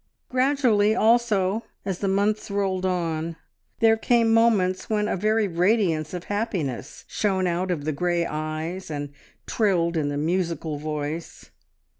Gradually, also, as the months rolled on there came moments when a very radiance of happiness shone out of the grey eyes, and trilled in the musical voice.